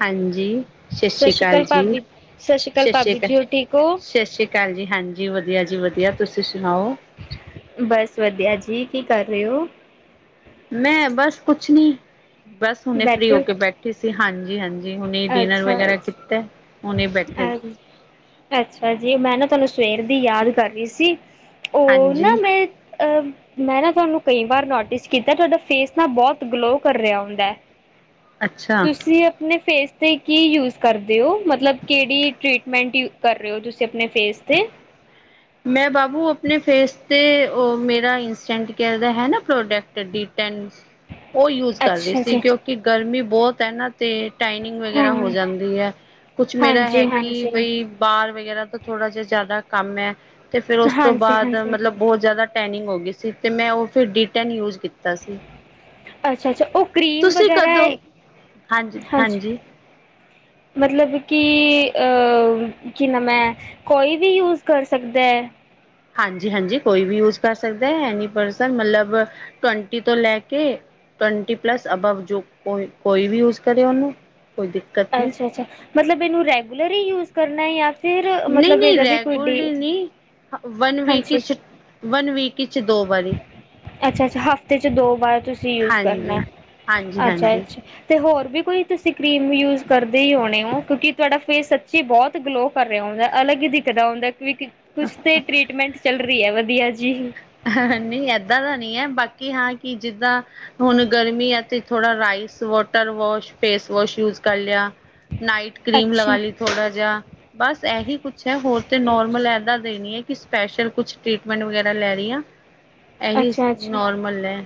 ਹਾਂਜੀ। ਸਤਿ ਸ਼੍ਰੀ ਅਕਾਲ ਜੀ, ਭਾਬੀ ਸਤਿ ਸਤਿ ਸ਼੍ਰੀ ਭਾਬੀ ਅਕਾਲ, ਜੀ ਹੋਰ ਠੀਕ ਹੋ? ਸਤਿ ਸ੍ਰੀ ਅਕਾਲ। ਕਾਲ ਜੀ ਹਾਂਜੀ ਵਧੀਆ ਜੀ ਵਧੀਆ, ਤੁਸੀਂ ਸੁਣਾਓ? ਬਸ ਵਧੀਆ ਜੀ, ਕੀ ਕਰ ਰਹੇ ਹੋ? ਮੈਂ ਬਸ ਕੁਛ ਨੀ ਬਸ ਹੁਣੇ ਫ੍ਰੀ ਹੋ ਬੈਠੇ ਕੇ ਬੈਠੀ ਸੀ ਹਾਂਜੀ- ਹਾਂਜੀ। ਉਹਨੇ ਡਿਨਰ ਅੱਛਾ ਵਗੈਰਾ ਅੱਛਾ ਕੀਤਾ। ਉਹਨੇ ਬੈਠੇ ਅ ਸੀ। ਅੱਛਾ ਜੀ, ਮੈਂ ਨਾ ਤੁਹਾਨੂੰ ਸਵੇਰ ਦੀ ਯਾਦ ਕਰ ਰਹੀ ਸੀ। ਉਹ ਨਾ ਹਾਂਜੀ ਮੈਂ ਅਹ ਮੈਂ ਨਾ ਤੁਹਾਨੂੰ ਕਈ ਵਾਰ ਨੋਟਿਸ ਕੀਤਾ ਤੁਹਾਡਾ ਫੇਸ ਨਾਲ ਬਹੁਤ ਗਲੋ ਕਰ ਰਿਹਾ ਹੁੰਦਾ ਹੈ। ਅੱਛਾ। ਤੁਸੀਂ ਆਪਣੇ ਫੇਸ ਤੇ ਕੀ ਯੂਜ ਕਰਦੇ ਹੋ? ਮਤਲਬ ਕਿਹੜੀ ਟ੍ਰਰੀਟਮੈਂਟ ਯੂ ਕਰ ਰਹੇ ਹੋ ਤੁਸੀਂ ਆਪਣੇ ਫੇਸ ਤੇ? ਮੈਂ ਬਾਬੂ ਆਪਣੇ ਫੇਸ ਤੇ ਉਹ ਮੇਰਾ ਇੰਸਟੈਂਟ ਕੇਅਰ ਹੈ ਨਾ ਪ੍ਰੋਡਕਟ ਤਿ ਤਨ ਉਹ ਯੂਜ ਕਰ ਰਹੀ ਅੱਛਾ ਸੀ, ਜੀ ਕਿਉਂਕਿ ਗਰਮੀ ਬਹੁਤ ਹੈ ਨਾ ਤੇ ਟਾਈਨਿੰਗ ਹਾਂ ਵਗੈਰਾ ਹੋ ਜਾਂਦੀ ਹੈ ਕੁਝ ਮੇਰਾ ਹਾਂਜੀ ਹੈ ਕਿ ਹਾਂਜੀ ਬਈ ਬਾਹਰ ਵਗੈਰਾ ਦਾ ਥੋੜ੍ਹਾ ਜਿਹਾ ਜ਼ਿਆਦਾ ਕੰਮ ਹੈ ਤੇ ਫਿਰ ਉਸ ਤੋਂ ਹਾਂਜੀ ਬਾਅਦ ਹਾਂਜੀ ਮਤਲਬ ਬ ਬਹੁਤ ਜ਼ਿਆਦਾ ਟੈਨਿੰਗ ਹੋ ਗਈ ਸੀ ਤੇ ਮੈਂ ਉਹ ਫਿਰ ਡੀਟੈਨ ਯੂਜ ਕੀਤਾ ਸੀ। ਅੱਛਾ- ਅੱਛਾ ਉਹ ਕੀਮ ਤੁਸੀਂ ਵਗੈਰਾ ਕਦੋਂ ਐ, ਹਾਂਜੀ। ਹਾਂਜੀ-ਹਾਂਜੀ ਮਤਲਬ ਕਿ ਆ ਕਿ ਨ ਮੈਂ ਕੋਈ ਵੀ ਯੂਜ ਕਰ ਸਕਦਾ ਹੈ? ਹਾਂਜੀ -ਹਾਂਜੀ ਕੋਈ ਵੀ ਯੂਜ ਕਰ ਸਕਦਾ ਹੈ, ਐਨੀ ਪਰਸਨ ਮਤਲਬ ਟਵੰਟੀ ਤੋਂ ਲੈ ਕੇ ਟਵੰਟੀ ਪਲੱਸ ਅਬਵ ਜੋ ਕੋਈ ਕੋਈ ਵੀ ਯੂਜ ਕਰੇ ਉਹਨੂੰ ਕੋਈ ਦੀਕ ਅੱਛਾ -ਅੱਛਾ ਮਤਲਬ ਇਹਨੂੰ ਰੈਗੂਲਰ ਹੀ ਯੂਜ ਕਰਨਾ ਹੈ ਇਆ ਨਹੀਂ- ਨਹੀਂ ਰੈਗਲਰਲੀ ਨਹੀਂ ਵਨ ਵੀਕ ਹਾਂਜੀ ਵਨ ਵੀਕ ਵਿੱਚ ਦੋ ਵਾਰੀ। ਅੱਛਾ -ਅੱਛਾ ਹਫ਼ਤੇ ਚ ਦੋ ਵਾਰ ਤੁਸੀਂ ਯੂਜ ਕਰਨਾ ਹਾਂਜੀ, ਅੱਛਾ- ਹਾਂਜੀ-ਹਾਂਜੀ। ਅੱਛਾ। ਤੇ ਹੋਰ ਵੀ ਕੋਈ ਤੁਸੀਂ ਕਰੀਮ ਯੂਜ ਕਰਦੇ ਹੀ ਹੋਣੇ ਹੋ ਕਿਉਂਕਿ ਤੁਹਾਡਾ ਫੇਸ ਸੱਚੀ ਬਹੁਤ ਗਲੋ ਕਰ ਰਿਹਾ ਹੁੰਦਾ ਅਲੱਗ ਹੀ ਦਿਖਦਾ ਹੁੰਦਾ ਕਿਉਂਕਿ ਕੁਛ ਤੇ ਟੀਟਮੈਂਟ ਚੱਲਹੀ ਵਧੀਆ ਜੀ। ਹਾ- ਹਾ ਨਹੀਂ ਏਦਾਂ ਦਾ ਨਹੀਂ ਹੈ ਬਾਕੀ ਹਾਂ ਕਿ ਜਿੱਦਾਂ ਹੁਣ ਗਰਮੀ ਹੈ ਤੇ ਥੋੜਾ rice water wash face wash use ਕਰ ਲਿਆ। ਨਾਈਟ ਕਰੀਮ ਅੱਛਾ, ਲਗਾ ਲੀ ਲਈ ਥੋੜਾ ਜਿਹਾ। ਬਸ ਇਹੀ ਕੁਝ ਹੈ, ਹੋਰ ਤੇ ਨੋਰਮਲ ਏਦਾਂ ਦੇ ਨੀ ਹੈ ਕਿ ਸਪੈਸ਼ਲ ਕੁਝ ਟ੍ਰਰੀਟਮੈਂਟ ਵਗੈਰਾ ਲੈ ਇਹੀ ਅੱਛਾ-ਅੱਛਾ। ਨੋਰਮਲ ਐ।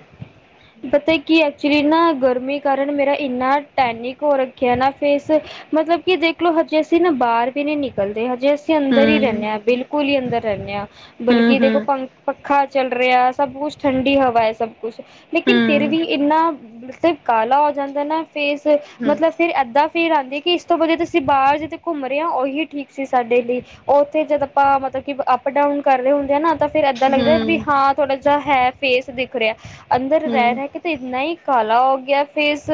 ਪਤਾ ਕਿ ਐਕਚਲ਼ੀ ਨਾ ਗਰਮੀ ਕਾਰਨ ਮੇਰਾ ਇੰਨਾ ਟੈਨਿਕ ਹੋ ਰੱਖਿਆ ਨਾ ਫੇਸ ਮਤਲਬ ਕਿ ਦੇਖਲੋ, ਹਜੇ ਅਸੀਂ ਨਾ ਬਾਹਰ ਵੀ ਨੀ ਨਿਕਲਦੇ, ਹਜੇ ਅਸੀਂ ਅਸੀਂ ਅੰਦਰ ਹੀ ਹਮ ਰਹਿੰਦੇ ਆ, ਬਿਲਕੁਲ ਹੀ ਅੰਦਰ ਰਹਿੰਦੇ ਆ, ਹਮ ਬਲਕਿ ਦੇਖੋ ਹਮ ਪੰ ਪੱਖਾ ਚੱਲ ਰਿਹਾ ਸਭ ਕੁਝ ਠੰਡੀ ਹਵਾ ਐ ਸਭ ਕੁਝ, ਲੇਕਿਨ ਫਿਰ ਹਮ ਵੀ ਇੰਨਾ ਮਤਲਬ ਕਾਲਾ ਹੋ ਜਾਂਦਾ ਨਾ ਫੇਸ ਅ ਹਮ ਮਤਲਬ ਫਿਰ ਇੱਦਾਂ ਫੀਲ ਆਦੀ ਐ, ਕਿ ਇਸ ਤੋਂ ਵਧੀਆ ਅਸੀਂ ਬਾਹਰ ਜਿੱਦਤੇ ਘੁੰਮ ਰਹੇ ਆ, ਉਹੀ ਠੀਕ ਸੀ ਸਾਡੇ ਲਈ। ਉੱਥੇ ਜਦ ਆਪਾਂ ਮਤਲਬ ਕਿ ਅੱਪ ਡਾਊਨ ਕਰਦੇ ਹੁੰਦੇ ਆ ਨਾ ਤਾਂ ਫਿਰ ਇੱਦਾਂ ਲੱਗਦਾ ਵੀ ਹਮ ਹਾਂ ਥੋੜਾ ਜਿਹਾ ਹੈ, ਫੇਸ ਦਿਖ ਰਿਹਾ ਆ, ਅੰਦਰ ਰਹਿ- ਹਮ ਰਹਿ ਕੇ ਤੇ ਇੰਨਾ ਹੀ ਕਾਲਾ ਹੋ ਗਿਆ ਫੇਸ,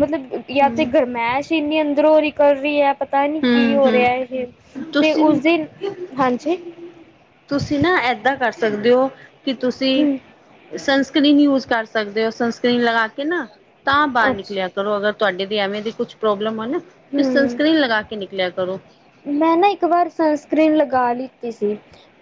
ਮਤਲਬ ਯਾ ਤੇ ਹਮ ਗਰਮੈਸ਼ ਇੰਨੀ ਅੰਦਰੋਂ ਨਿਕਲ ਰਹੀ ਐ। ਪਤਾ ਨੀ ਕੀ ਹਮ ਹੋ ਹਮ ਰਿਹਾ ਇਹ ਹੈ, ਤੇ ਤੁਸੀਂ ਉਸਦੇ ਦਿਨ ਹਾਂਜੀ। ਤੁਸੀਂ ਨਾ ਏਦਾਂ ਕਰ ਸਕਦੇ ਉ, ਕਿ ਤੁਸੀਂ ਹਮ ਸਨਸਕ੍ਰਰੀਨ ਯੂਜ ਕਰ ਸਕਦੇ ਹੋ, ਸਨਸਕ੍ਰਰੀਨ ਲਗਾ ਕੇ ਨਾ ਤਾਂ ਬਾਹਰ ਅੱਛਾ ਨਿਕਲਿਆ ਕਰੋ, ਅਗਰ ਤੁਹਾਡੇ ਦੀ ਐਵੇਂ ਦੀ ਕੁਝ ਪ੍ਰੋਬਲਮ ਹੋਈ ਨਾ, ਤੇ ਹਮ ਸਨਸਕ੍ਰਰੀਨ ਲਗਾ ਕੇ ਨਿਕਲਿਆਂ ਕਰੋ। ਮੈਂ ਨਾ ਇੱਕ ਵਾਰ ਸਨਸਕ੍ਰਰੀਨ ਲਗਾ ਲਿੱਤੀ ਸੀ।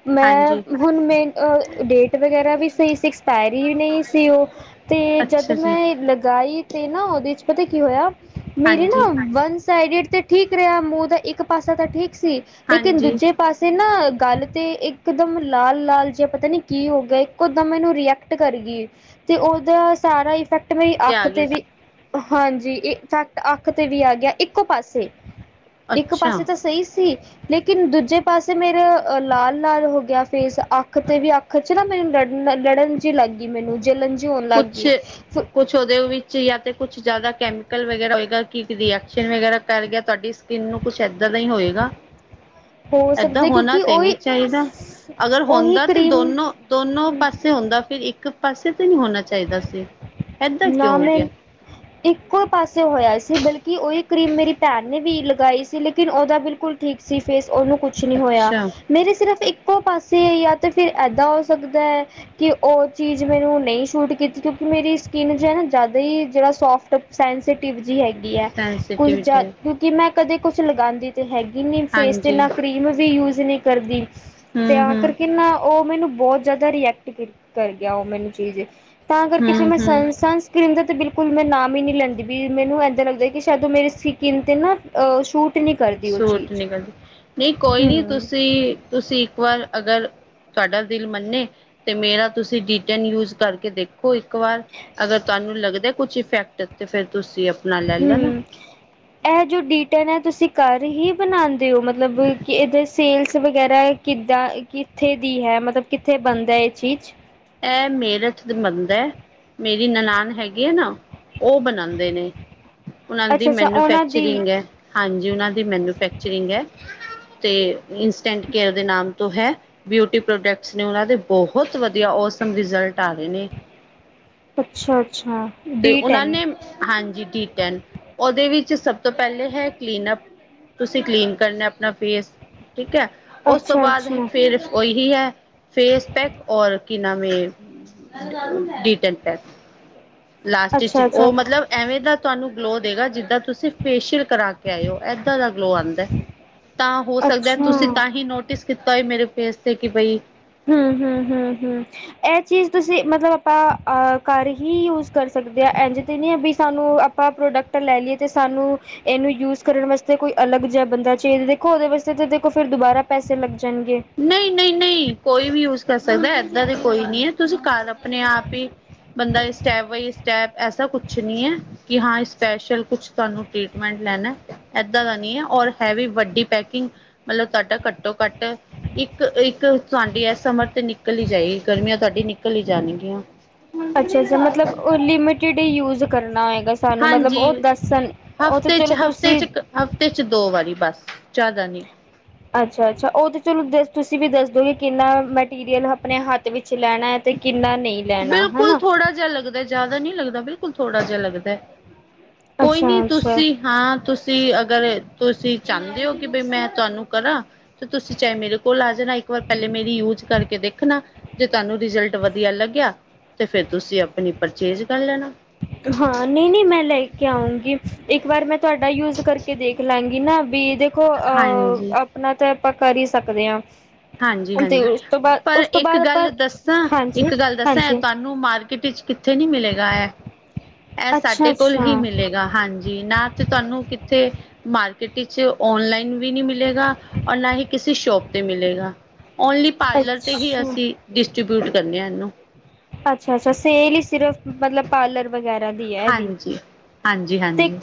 ਮੈਂ ਹਾਂਜੀ ਹੁਣ ਮੇ ਅ ਡੇਟ ਵਗੈਰਾ ਵੀ ਸਹੀ ਸੀ, ਐਕਸਪਾਇਰੀ ਵੀ ਨਹੀਂ ਸੀ ਉਹ। ਤੇ ਜਦ ਅੱਛਾ ਜੀ ਮੈਂ ਲਗਾਈ ਤੇ ਨਾ ਉਹਦੇ 'ਚ ਪਤਾ ਕੀ ਹੋਇਆ, ਮੇਰੇ ਨਾ ਹਾਂਜੀ ਵਨ ਸਾਈਡਡ ਤੇ ਠੀਕ ਰਿਹਾ ਆ, ਮੂੰਹ ਦਾ ਇੱਕ ਪਾਸਾ ਤਾਂ ਠੀਕ ਸੀ, ਲੇਕਿਨ ਹਾਂਜੀ ਦੂਜੇ ਪਾਸੇ ਨਾ ਗੱਲ ਤੇ ਇੱਕ ਦਮ ਲਾਲ- ਲਾਲ ਜੇ ਪਤਾ ਨੀ ਕੀ ਹੋ ਗਿਆ, ਇੱਕੋਦਮ ਇਹਨੂੰ ਰੀਐ ਕਰਗੀ, ਤੇ ਉਹਦਾ ਸਾਰਾ ਇਫੈਕਟ ਮੇਰੀ ਅੱਖ ਆ ਗਿਆ ਤੇ ਵੀ ਸੀ ਹਾਂਜੀ, ਇਫੈਕਟ ਅੱਖ ਤੇ ਵੀ ਆ ਗਿਆ, ਇੱਕੋ ਪਾਸੇ। ਅੱਛਾ। ਸਈ ਸੀ ਲੇਕਿਨ ਦੂਜੇ ਪਾਸੇ ਮੇਰੇ ਲਾਲ ਲਾਲ ਹੋ ਗਿਆ ਫੇਸ। ਅੱਖ ਤੇ ਵੀ ਅੱਖ ਚ ਨਾ ਮੈਨੂੰ ਲੜ ਲੜਨ ਜੀ ਲੱਗ ਗੀ ਮੈਨੂੰ, ਜਲਣ ਜਿ ਹੋਣ ਲੱਗ ਗੀ, ਫਿਰ ਉਦੇ ਵਿੱਚ ਯਾ ਤੇ ਕੁਛ ਜ਼ਿਆਦਾ ਕੈਮੀਕਲ ਵਗੈਰਾ ਹੋਏਗਾ, ਕਿ ਰੀਐਕਸ਼ਨ ਵਗੈਰਾ ਕਰ ਗਿਆ ਤਾਡੀ ਸ ਕੀਨ ਨੂੰ ਕੁਛ ਏਦਾਂ ਦਾ ਈ ਹੋਏਗਾ ਹੋ ਏਦਾਂ ਸਕਦਾ ਹੋਣਾ ਕਿਉਂਕਿ ਤੇ ਉਹੀ ਨੀ ਚਾਈਦਾ। ਅਗਰ ਉਹੀ ਹੋਂਦਾ ਤੇ ਕਰੀਮ ਦੋਨੋ ਦੋਨੋ ਪਾਸੇ ਹੁੰਦਾ ਫਿਰ ਇੱਕ ਪਾਸੇ ਤੇ ਨੀ ਹੋਨਾ ਚਾਈਦਾ ਸੀ। ਏਦਾਂ ਕਿਉਂ ਨਾ ਹੋ ਮੈਮ, ਗਿਆ ਇੱਕੋ ਪਾਸੇ ਹੋਇਆ ਸੀ ਬਲਕਿ ਓਈ ਕਰੀਮ ਮੇਰੀ ਭੈਣ ਨੇ ਵੀ ਲਗਾਈ ਸੀ ਲੇਕਿਨ ਓਦਾ ਬਿਲਕੁਲ ਠੀਕ ਸੀ ਫੇਸ ਓਨੂੰ ਕੁਛ ਨੀ ਹੋਇਆ। ਅੱਛਾ ਮੇਰੀ ਸਿਰਫ਼ ਇੱਕੋ ਪਾਸੇ ਯਾ ਤੇ ਫਿਰ ਏਦਾਂ ਹੋ ਸਕਦਾ ਐ। ਕਿ ਓ ਚੀਜ਼ ਮੈਨੂੰ ਨਈ ਸੁਟ ਕੀਤੀ ਕਿਉਂਕਿ ਮੇਰੀ ਸ ਕਿਨ ਜੇ ਨਾ ਜ਼ਿਆਦਾ ਈ ਜੇੜਾ ਸੋਫਟ ਸੈਂਸੀਟਿਵ ਜਿ ਹੈਗੀ ਐ ਕੁਝ ਸੈਂਸਟੀਵਿਟੀ ਜਿ ਕਿ ਮੈਂ ਕਦੇ ਕੁਛ ਲਗਾਂਦੀ ਤੇ ਹੈਗੀ ਨੀ ਫੇਸ ਤੇ ਹਾਂਜੀ ਨਾ ਕਰੀਮ ਵੀ ਯੂਜ਼ ਨੀ ਕਰਦੀ। ਹੂੰ ਤੇਆਂ ਕਰ ਹੂੰ ਕਿੰਨਾ ਓ ਮੈਨੂੰ ਬੌਤ ਜ਼ਿਆਦਾ ਰਿਐਕਟ ਕ ਕਰ ਗਿਆ ਓ ਮੈਨੂੰ ਚੀਜ਼। ਤਾਂ ਕਰਕੇ ਫੇਰ ਹੂੰ ਮੈਂ ਹੂੰ ਸਨਸਕਰੀਨ ਦਾ ਤੇ ਬਿਲਕੁਲ ਮੈਂ ਨਾਮ ਈ ਨੀ ਲੈਂਦੀ ਬੀ ਮੈਨੂੰ ਏਦਾਂ ਲੱਗਦੈ ਕਿ ਸ਼ੈਦ ਓ ਮੇਰੀ ਸੀਕੀਨ ਤੇ ਨਾ ਅ ਸੁਟ ਸੂਟ ਨੀ ਕਰਦੀ, ਨਈ ਕੋਈ ਨੀ ਹੂੰ। ਤੁਸੀ, ਤੁਸੀ ਇੱਕ ਵਾਰ ਅਗਰ ਤਾਡਾ ਦਿਲ ਮੰਨੇ ਤੇ ਮੇਰਾ ਤੁਸੀ ਡੀਟੈਨ ਯੂਜ ਕਰਕੇ ਦੇਖੋ ਇੱਕ ਇੱਕ ਵਾਰ, ਅਗਰ ਤਾਨੂੰ ਲੱਗਦਾ ਏ ਕੁਛ ਇਫੈਕਟ ਤੇ ਫੇਰ ਤੁਸੀ ਹੂੰ। ਐ ਜੋ ਡੀਟਨ ਐ ਤੁਸੀ ਘਰ ਹੀ ਬਣਾਂਦੇ ਓ? ਮਤਲਬ ਕਿ ਏਦੇ ਚ ਸੇਲਸ ਵਗੈਰਾ ਕਿੱਦਾਂ ਕਿੱਥੇ ਦੀ ਹੈ ਮਤਲਬ ਕਿੱਥੇ ਬਣਦਾ ਏ ਚੀਜ਼? ਐ ਮੇਰਠ ਦ ਮਨਦਾ ਐ ਮੇਰੀ ਨਨਾਨ ਹੈਗੀ ਐ ਨਾ। ਓ ਬਣਾਂਦੇ ਨੇ, ਉਨਾਂ ਦੀ ਅੱਛਾ-ਅੱਛਾ ਉਹਨਾਂ ਦੀ ਮੈਨੂਫੈਕਚਰਿੰਗ ਐ। ਹਾਂਜੀ, ਉਨਾਂ ਦੀ ਮੈਨੂਫੈਕਚਰਿੰਗ ਐ। ਤੇ ਇੰਸਟੈਂਟ ਕੇਅਰ ਦੇ ਨਾਮ ਤੋ ਹੈ ਬਿਊਟੀ ਪ੍ਰੋਡਕਟਸ ਨੇ ਉਨਾਂ ਦੇ ਬਹੁਤ ਵ ਦੀਆ ਓਸਮ ਰਿਜ਼ਲਟ ਆ ਰੇ ਨੇ। ਅੱਛਾ ਅੱਛਾ। ਤੇ ਉਨਾਂ ਨੇ ਹਾਂਜੀ ਡੀ ਟੈਨ, ਓਦੇ ਵਿੱਚ ਸਭ ਤੋਂ ਪੈਲੇ ਹੈ ਕਲੀਨਅਪ। ਤੁਸੀ ਕਲੀਨ ਕਰਨਾ ਏ ਆਪਣਾ ਫੇਸ, ਠੀਕ ਐ, ਓਸ ਤੋਂ ਬਾਅਦ ਅੱਛਾ-ਅੱਛਾ, ਫੇਰ ਓਹੀ ਹੈ। ਫੇਸ ਪੈਕ ਔਰ ਕੀ ਨਾਮ ਏ ਡੀਟੈਨ ਪੈਕ। ਲਾਸਟ ਚ ਓ ਅੱਛਾ-ਅੱਛਾ, ਮਤਲਬ ਐਵੇਂ ਦਾ ਤੁਆਨੂੰ ਗਲੋ ਦੇਗਾ ਜਿੱਦਾਂ ਤੁਸੀ ਫੇਸ਼ੀਅਲ ਕਰਾ ਕੇ ਆਏ ਓ ਏਦਾਂ ਦਾ ਗਲੋ ਆਂਦਾ ਏ ਤਾਂ ਹੋ ਸਕਦੈ ਤੁਸੀ ਅੱਛਾ। ਤਾਂ ਹੀ ਨੋਟ ਟਿਸ ਕੀਤਾ ਹੋਏ ਮੇਰੇ ਫੇਸ ਤੇ ਕਿ ਬਈ ਹੁੰ ਹੁੰ ਹੁੰ ਹੁੰ। ਐ ਚੀਜ਼ ਤੁਸੀ ਮਤਲਬ ਆਪਾਂ ਅ ਘਰ ਹੀ ਯੂਜ ਕਰ ਸਕਦੇ ਆਂ ਏਂਝ ਤੇ ਨੀ ਐ ਵੀ ਸਾਨੂੰ ਆਪਾਂ ਪ੍ਰੋਡਕਟ ਲੈ ਲੀਏ ਤੇ ਸਾਨੂੰ ਏਨੂੰ ਯੂਜ ਕਰਨ ਵਾਸਤੇ ਕੋਈ ਅਲੱਗ ਜਿਆ ਬੰਦਾ ਚਇ ਦੇਖੋ ਓਦੇ ਵਾਸਤੇ ਤੇ ਦੇਖੋ ਫਿਰ ਦੁਬਾਰਾ ਪੈਸੇ ਲੱਗ ਜਾਣਗੇ। ਨਈ ਨਈ ਨਈ ਕੋਈ ਵੀ ਯੂਜ ਕਰ ਸਕਦਾ ਏ ਏਦਾਂ ਤੇ ਕੋਈ ਨੀ ਐ ਤੁਸੀ ਘਰ ਆਪਣੇ ਆਪ ਈ ਬੰਦਾ ਇਸਟੈਪ ਬਾਈ ਸਟੈਪ ਐਸਾ ਕੁਛ ਨੀ ਐ। ਕਿ ਹਾਂ ਸਪੈਸ਼ਲ ਕੁਛ ਤਾਨੂੰ ਟਰੀਟਮੈਂਟ ਲੈਨੈ। ਏਦਾਂ ਦਾ ਨਈ ਐ ਔਰ ਹੈ ਵੀ ਵੱਡੀ ਪੈਕਿੰਗ ਮਤਲਬ ਤਾਡਾ ਘੱਟੋ ਘੱਟ ਇੱਕ ਇੱਕ ਤੁਆਡੀ ਐ ਸਮਰ ਤੇ ਨਿਕਲ ਈ ਜਾਏਗੀ ਗਰਮੀਆਂ ਤੁਆਡੀ ਨਿਕਲ ਈ ਜਾਣਗੀਆਂ। ਅੱਛਾ ਅੱਛਾ ਮਤਲਬ ਓ ਲਿਮਿਟਿਡ ਈ ਯੂਜ ਕਰਨਾ ਹੋਏਗਾ। ਤਾਨੂੰ ਮਤਲਬ ਹਾਂਜੀ ਓ ਦੱਸਣ ਓ ਤੇ ਹਫ਼ਤੇ ਚ ਚਲੋ ਹਫ਼ਤੇ ਤੁਸੀ ਚ ਹਫ਼ਤੇ ਚ ਦੋ ਵਾਰੀ ਬਸ ਜ਼ਿਆਦਾ ਨੀ। ਅੱਛਾ- ਅੱਛਾ ਉਹ ਤਾਂ ਚਲੋ ਦਸ ਤੁਸੀਂ ਵੀ ਦੱਸਦੋ ਕਿ ਕਿੰਨਾ ਮੈਂਟੀਰੀਅਲ ਆਪਣੇ ਹੱਥ ਵਿੱਚ ਲੈਣਾ ਹੈ। ਤੇ ਕਿੰਨਾ ਨਹੀਂ ਲੈਣਾ, ਹਨਾ। ਤੇ ਜ਼ਿਆਦਾ ਨਹੀਂ ਲੱਗਦਾ ਬਿਲਕੁਲ ਥੋੜਾ ਜਿਹਾ ਲੱਗਦਾ, ਕੋਈ ਨੀ ਅੱਛਾ ਅੱਛਾ ਤੁਸੀਂ, ਹਾਂ ਤੁਸੀਂ ਅਗਰ ਤੁਸੀਂ ਚਾਹੁੰਦੇ ਹੋ ਕਿ ਬਈ ਮੈਂ ਤੁਹਾਨੂੰ ਕਰਾਂ, ਤੇ ਤੁਸੀਂ ਚਾਹੇ ਮੇਰੇ ਕੋਲ ਆ ਜਾਣਾ ਇੱਕ ਵਾਰ ਪਹਿਲੇ ਮੇਰੀ ਯੂਜ਼ ਕਰਕੇ ਦੇਖਣਾ ਜੇ ਤੁਹਾਨੂੰ, ਰਿਜਲਟ ਵਧੀਆ ਲੱਗਿਆ ਤੇ ਫੇਰ ਤੁਸੀਂ ਆਪਣੀ ਪਰਚੇਜ਼ ਕਰ ਲੈਣਾ। ਹਾਂ ਨਹੀਂ- ਨਹੀਂ ਮੈਂ ਲੈ ਕੇ ਆਉਗੀ ਇੱਕ ਵਾਰ ਮੈਂ ਤੁਹਾਡਾ ਯੂਜ ਕਰਕੇ ਦੇਖ ਲਾਂਗੀ ਨਾ ਵੀ ਇਹਦੇ, ਦੇਖੋ ਅਹ ਹਾਂਜੀ ਆਪਣਾ ਤਾਂ ਆਪਾਂ ਕਰ ਹੀ ਸਕਦੇ ਹਾਂ। ਹਾਂਜੀ- ਤੇ ਹਾਂਜੀ ਉਸ ਤੋਂ ਬਾਅਦ ਪਰ ਉਸ ਤੋਂ ਇੱਕ ਬਾਅਦ ਆਪਾਂ ਗੱਲ ਦੱਸਾਂ- ਹਾਂਜੀ ਇੱਕ ਗੱਲ ਦੱਸਾਂ ਐ ਹਾਂਜੀ ਤੁਹਾਨੂੰ- ਨੂੰ ਮਾਰਕੀਟ ਵਿੱਚ ਕਿੱਥੇ ਨਹੀਂ ਮਿਲੇਗਾ ਐ। ਇਹ ਅੱਛਾ ਸਾਡੇ ਕੋਲ ਅੱਛਾ ਹੀ ਮਿਲੇਗਾ ਹਾਂਜੀ, ਨਾ ਤੇ ਤੁਹਾਨੂੰ ਕਿੱਥੇ ਮਾਰਕੀਟ ਚ ਆਨਲਾਈਨ ਵੀ ਨਹੀਂ ਮਿਲੇਗਾ ਔਰ ਨਾ ਹੀ ਕਿਸੇ ਸ਼ੋਪ ਤੇ ਮਿਲੇਗਾ। ਓਨਲੀ ਪਾਰਲਰ ਤੇ ਹੀ ਅੱਛਾ ਅਸੀਂ ਡਿਸਟਰੀਬਿਊਟ ਕਰਨੇ ਹਾਂ ਇਹਨੂੰ। ਅੱਛਾ- ਅੱਛਾ ਸੇਲ ਹੀ ਸਿਰਫ ਮਤਲਬ ਪਾਰਲਰ ਵਗੈਰਾ- ਹੁੰਦੀ ਹੈ ਇਹਦੀ ਹਾਂਜੀ। ਤੇ ਹਾਂਜੀ-ਹਾਂਜੀ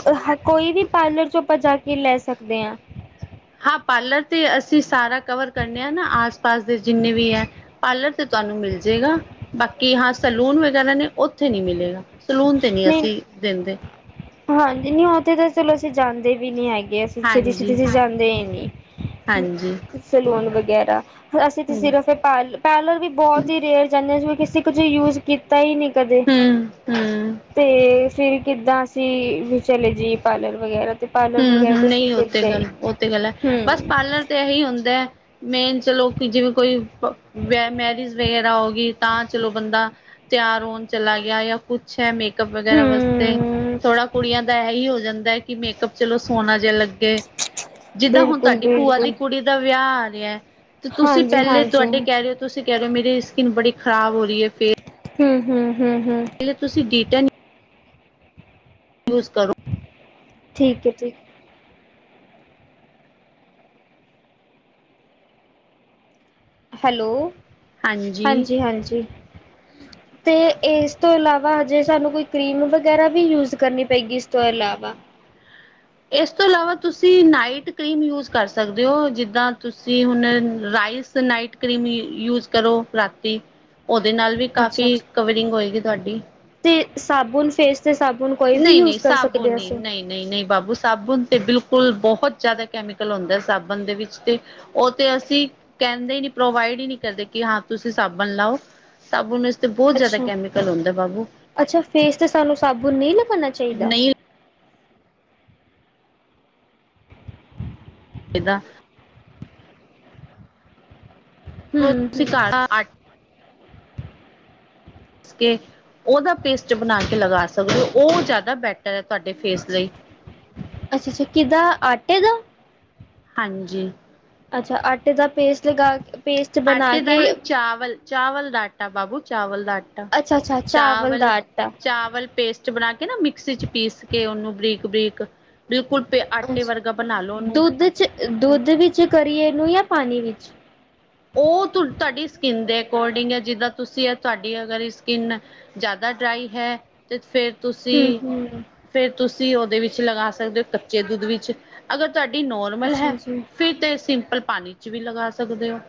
ਕੋਈ ਵੀ ਪਾਰਲਰ ਚ ਆਪਾਂ ਜਾ ਕੇ ਲੈ ਸਕਦੇ ਹਾਂ। ਹਾਂ ਪਾਰਲਰ ਤੇ ਅਸੀਂ ਸਾਰਾ ਕਵਰ ਕਰਨੇ ਆ ਨਾ ਆਸ- ਪਾਸ ਦੇ ਜਿੰਨੇ ਵੀ ਹੈ। ਪਾਰਲਰ ਤੇ ਤੁਹਾਨੂੰ ਮਿਲ ਜੇਗਾ ਬਾਕੀ ਹਾਂ ਸੈਲੂਨ ਵਗੈਰਾ ਨੇ ਉੱਥੇ ਨਹੀਂ ਮਿਲੇਗਾ। ਸਲੂਨ 'ਤੇ ਨਹੀਂ, ਅਸੀਂ ਦਿੰਦੇ। ਹਾਂਜੀ, ਨਹੀਂ ਉੱਥੇ ਤਾਂ ਚਲੋ ਅਸੀਂ ਜਾਂਦੇ ਵੀ ਨਹੀਂ ਹੈਗੇ। ਅੱਛਾ ਜੀ ਤੁਸੀ ਹਾਂਜੀ-ਹਾਂਜੀ ਜਾਂਦੇ ਹੀ ਨੀ। ਸੈਲੂਨ ਵਗੈਰਾ ਅਸੀਂ ਤੇ ਸਿਰਫ, ਪ ਪਾਰਲਰ ਵੀ ਬਹੁਤ ਹੀ ਰੇਅਰ ਜਾਂਦੇ ਸੀਂ, ਕਿਸੇ ਕੁਝ ਯੂਜ ਕੀਤਾ ਹੀ ਨਹੀਂ ਕਦੇ। ਹੂੰ -ਹੂੰ। ਤੇ ਫੇਰ, ਕਿੱਦਾਂ ਅਸੀਂ ਵੀ ਚਲੇ ਜਈਏ ਪਾਰਲਰ ਵਗੈਰਾ। ਤੇ ਪਾਰਲਰ ਹੂੰ ਵਗੈਰਾ -ਹੂੰ ਤੇ ਅਸੀਂ ਨਹੀਂ ਉਹ ਫਿਰ ਤੇ ਗਏ ਗੱਲ ਉਹ ਤੇ ਗੱਲ ਹੈ, ਬਸ ਹੂੰ ਪਾਰਲਰ ਤੇ ਇਹੀ ਹੁੰਦਾ ਹੈ। ਮੇਨ ਚਲੋ, ਕਿ ਜਿਵੇਂ ਕੋਈ ਮੈਰਿਜ ਵਗੈਰਾ ਹੋ ਗਈ ਤਾਂ ਚਲੋ ਬੰਦਾ। ਤਿਆਰ ਹੋਣ ਚਲਾ ਗਿਆ ਯਾ- ਕੁਛ ਹੈ, ਮੇਕਅੱਪ ਵਗੈਰਾ ਵਾਸਤੇ, ਹੂੰ ਥੋੜਾ ਕੁੜੀਆਂ ਦਾ ਇਹੀ ਹੋ ਜਾਂਦਾ ਹੈ ਕਿ ਮੇਕਅਪ। ਚਲੋ ਸੋਨਾ ਜਿਹਾ ਲੱਗੇ, ਜਿੱਦਾਂ ਹੁਣ ਬਿਲਕੁਲ ਤੁਹਾਡੀ ਭੂਆ ਦੀ ਬਿਲਕੁਲ ਕੁੜੀ ਦਾ ਵਿਆਹ ਆ ਰਿਹਾ। ਤੇ ਤੁਸੀਂ ਹਾਂਜੀ ਪਹਿਲੇ ਹਾਂਜੀ ਤੁਹਾਡੇ ਕਹਿ ਰਹੇ ਹੋ। ਤੁਸੀਂ ਕਹਿ ਰਹੇ ਹੋ ਮੇਰੀ ਸਕਿਨ ਬੜੀ ਖਰਾਬ ਹੋ ਰਹੀ ਹੈ, ਫੇ- ਹੂੰ- ਹੂੰ, ਹੂੰ-ਹੂੰ। ਤੁਸੀਂ ਡੀਟਾ ਨ [unintelligible] ਯੂਜ ਕਰੋ। ਠੀਕ ਹੈ, ਜੀ। ਹੈਲੋ ਹਾਂਜੀ- ਹਾਂਜੀ। ਤੇ ਇਸ ਤੋਂ ਇਲਾਵਾ ਹਜੇ ਸਾਨੂੰ ਕੋਈ ਕਰੀਮ ਵਗੈਰਾ ਵੀ ਯੂਜ ਕਰਨੀ ਪਏਗੀ ਇਸ ਤੋਂ ਇਲਾਵਾ? ਇਸ ਤੋਂ ਇਲਾਵਾ ਤੁਸੀਂ ਨਾਈਟ ਕਰੀਮ ਯੂਜ ਕਰ ਸਕਦੇ ਹੋ ਜਿੱਦਾਂ ਤੁਸੀਂ ਹੁਣ ਰਾਈਸ ਨਾਈਟ ਕਰੀਮ ਯ ਯੂਜ ਕਰੋ ਰਾਤੀ ਉਹਦੇ ਨਾਲ ਵੀ ਅੱਛਾ ਕਾਫੀ ਅੱਛਾ ਕਵਰਿੰਗ ਹੋਏਗੀ ਤੁਹਾਡੀ। ਤੇ ਸਾਬੁਨ ਫੇਸ ਦੇ ਸਾਬੁਨ ਕੋਈ ਵੀ ਨਹੀਂ ਯੂਜ ਨਹੀਂ ਕਰ ਸਾਬੁਣ ਸਕਦੇ ਨਹੀਂ ਅਸੀਂ? ਨਹੀਂ ਨਹੀਂ- ਨਹੀਂ ਬਾਬੂ ਸਾਬਣ ਤੇ ਬਿਲਕੁਲ ਬਹੁਤ ਜ਼ਿਆਦਾ ਕੈਮੀਕਲ ਹੁੰਦਾ ਸਾਬਣ ਦੇ ਵਿੱਚ ਤੇ ਉਹ ਤੇ ਅਸੀਂ ਕਹਿੰਦੇ ਹੀ ਨੀ, ਪ੍ਰੋਵਾਈਡ ਹੀ ਨਹੀਂ ਕਰਦੇ ਕਿ ਹਾਂ ਤੁਸੀਂ ਸਾਬਣ ਲਾਓ। ਸਾਬੁਨ ਵਿੱਚ ਤੇ ਬਹੁਤ ਜ਼ਿਆਦਾ ਅੱਛਾ, ਕੈਮੀਕਲ ਹੁੰਦਾ ਬਾਬੂ। ਅੱਛਾ ਫੇਸ ਤੇ ਸਾਨੂੰ ਸਾਬੁਨ ਨਹੀਂ ਲਗਾਉਣਾ ਚਾਹੀਦਾ? ਨਹੀਂ ਏਦਾਂ। ਫ਼ਿਰ ਹੂੰ, ਤੁਸੀਂ ਹੂੰ ਘਰ ਆ, ਅੱਠ। ਕੇ ਉਹਦਾ ਪੇਸਟ ਬਣਾਂ ਕੇ ਲਗਾ ਸਕਦੇ ਹੋ, ਉਹ ਜ਼ਿਆਦਾ ਬੈਟਰ ਹੈਂ ਤੁਹਾਡੇ ਫੇਸ ਲਈ। ਅੱਛਾ- ਅੱਛਾ ਕਿੱਦਾਂ ਆਟੇ ਦਾ। ਹਾਂਜੀ। ਅੱਛਾ ਆਟੇ ਦਾ ਪੇਸਟ ਲਗਾ ਪੇਸਟ ਬਣਾ ਆਟੇ ਦਾ ਕੇ ਨੀ ਚਾਵਲ- ਚਾਵਲ ਦਾ ਆਟਾ ਬਾਬੂ ਚਾਵਲ ਦਾ ਆਟਾ ਅੱਛਾ, ਅੱਛਾ ਦਾ ਚਾਵਲ- ਆਟਾ। ਚਾਵਲ ਪੇਸਟ ਬਣਾਂ ਕੇ ਨਾ ਮਿਕਸੀ ਚ ਪੀਸ ਕੇ ਉਹਨੂੰ ਬਰੀਕ- ਬਰੀਕ ਤ ਬਿਲਕੁਲ ਪ ਆਟੇ ਅੱਛਾ, ਵਰਗਾ ਬਣਾ ਲਓ ਉਹਨੂੰ ਦੁੱਧ ਦੁੱਧ ਵਿੱਚ ਕਰੀਏ ਇਹਨੂੰ ਯਾ ਪਾਣੀ ਵਿੱਚ। ਉਹ ਤੁਹਾਡੀ ਸਕਿੰਨ ਦੇ ਅਕੋਰਡਿੰਗ ਹੈ ਜਿੱਦਾਂ ਤੁਸੀਂ ਆ ਤੁਹਾਡੀ ਅਗਰ ਈ ਸਕਿੰਨ ਜ਼ਿਆਦਾ ਡਰਾਈ ਹੈ ਤੇ ਫ਼ਿਰ ਹੂੰ, ਤੁਸੀਂ ਹੂੰ -ਫ਼ਿਰ ਤੁਸੀਂ ਉਹਦੇ ਵਿੱਚ ਲਗਾਂ ਸਕਦੇ ਹੋ ਕੱਚੇ ਦੁੱਧ ਵਿੱਚ। ਅਗਰ ਤੁਹਾਡੀ ਨੋਰਮਲ ਹੈ ਅੱਛਾ, ਅੱਛਾ ਫ਼ੇਰ ਤੇ ਸਿੰਪਲ ਪਾਣੀ ਚ ਵੀ ਲਗਾ ਸਕਦੇ ਹੋ।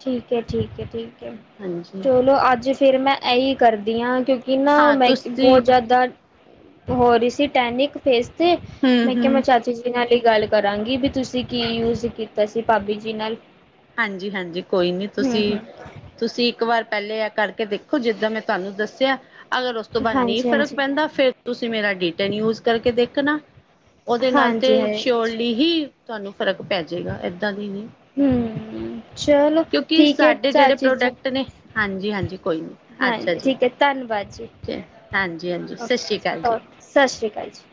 ਠੀਕ ਹੈ- ਠੀਕ ਹੈ -ਠੀਕ ਹੈ ਹਾਂਜੀ ਚਲੋਂ, ਅੱਜ ਫੇਰ ਮੈਂ ਐਹੀ ਕਰਦੀ ਹਾਂ ਕਿਉਂਕਿ ਕਿ ਨਾ ਹਾਂ ਮੈਂ ਤੁਸੀਂ ਬਹੁਤ ਜ਼ਿਆਦਾ ਹੋ ਰਹੀ ਸੀ ਟੈਨਿਕ ਫੇਸ ਤੇ ਹੂੰ ਮੈਂ ਕਿਹਾ ਮੈਂ ਹੂੰ ਚਾ ਜੀ ਨਾਲ ਹੀ ਗੱਲ ਕਰਾਂਗੀ, ਵੀ ਤੁਸੀਂ ਕੀ ਯੂਜ ਕੀਤਾ ਸੀ ਭਾਬੀ ਜੀ ਨਾਲ ਹਾਂਜੀ- ਹਾਂਜੀ ਕੋਈ ਨੀ ਹੂੰ ਤੁਸੀਂ ਹੂੰ ਤੁਸੀਂ ਇੱਕ ਵਾਰ ਪਹਿਲੇ ਐ ਕਰਕੇ ਦੇਖੋ, ਜਿੱਦਾਂ ਮੈਂ ਤੁਹਾਂਨੂੰ ਦੱਸਿਆਂ ਅਗਰ ਉਸ ਉਸ ਤੋਂ ਬਾਅਦ ਨਹੀਂ ਹਾਂਜੀ ਫ਼ਰਕ ਹਾਂਜੀ ਪੈਂਦਾ, ਫ਼ੇਰ ਤੁਸੀਂ ਮੇਰਾ ਡੀਟੈਨ ਯੂਜ ਕਰਕੇ ਦੇਖਣਾ। ਉਹਦੇ ਨਾਲ ਤਾਂ ਹਾਂਜੀ ਸ਼ਿਓਰ ਹਾਂਜੀ ਲੀ ਹੀ ਤੁਹਾਂਨੂੰ ਫ਼ਰਕ ਪੈ ਜਾਏਗਾ, ਇੱਦਾਂ ਦੀ ਨਹੀਂ ਹੂੰ। ਚਲੋਂ ਕਿਉਂਕਿ ਠੀਕ ਹੈ, ਸਾਡੇ ਜਿਹੜੇ ਚਾਚੀ ਜੀ ਪ੍ਰੋਡਕਟ ਨੇ ਹਾਂਜੀ ਹਾਂਜੀ ਕੋਈ ਹਾਂਜੀ ਠੀਕ ਹੈ। ਧੰਨਵਾਦ ਜੀ। ਓਕੇ ਹਾਂਜੀ- ਹਾਂਜੀ ਸਤਿ ਓਕੇ ਸ਼੍ਰੀ ਜੀ ਅਕਾਲ। ਜੀ ਓਕੇ ਸਤਿ ਸ਼੍ਰੀ ਅਕਾਲ ਜੀ।